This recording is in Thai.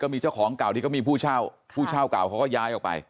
ก็มีเจ้าของเก่าที่ก็มีผู้เช่าเขาก็ย้ายออกไป